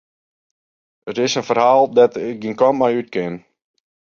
It is in ferhaal dêr't ik gjin kant mei út kin.